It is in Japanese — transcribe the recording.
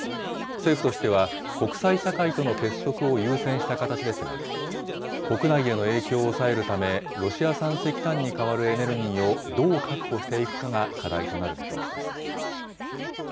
政府としては、国際社会との結束を優先した形ですが、国内への影響を抑えるため、ロシア産石炭に代わるエネルギーをどう確保していくかが課題となる見通しです。